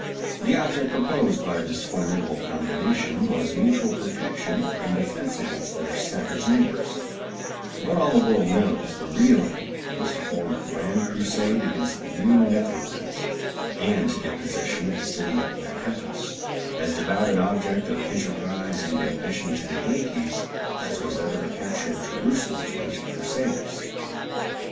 The object proposed by this formidable combination was mutual protection and defence against their savage neighbors; but all the world knows the real aim was to form a grand crusade against the Nieuw Nederlandts and to get possession of the city of the Manhattoes as devout an object of enterprise and ambition to the Yankees as was ever the capture of Jerusalem to ancient Crusaders.